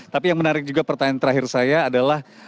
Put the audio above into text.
tapi yang menarik juga pertanyaan terakhir saya adalah